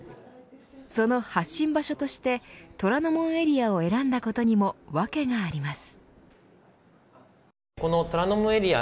その発信場所として虎ノ門エリアを選んだことにもわけがあります。